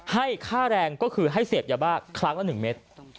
ให้ค่าแรงก็คือให้เสพยาบ้าครั้งละ๑เมตร